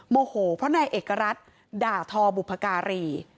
โมโหเพราะนายเอกรัฐด่าทอบุพการี